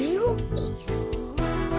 いいぞ。